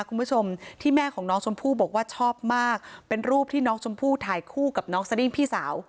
คุณผู้ชมที่แม่ของน้องชมพู่บอกว่าชอบมากเป็นรูปที่น้องชมพู่ถ่ายคู่กับน้องสดิ้งพี่สาว